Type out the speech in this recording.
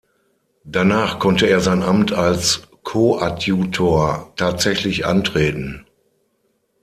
Danach konnte er sein Amt als Koadjutor tatsächlich antreten.